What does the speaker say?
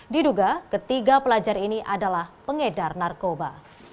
diduga ketiga pelajar ini adalah pengedar narkoba